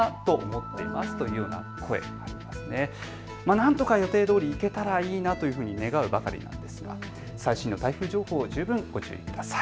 なんとか予定どおり行けたらいいなと願うばかりですが最新の台風情報、十分ご注意ください。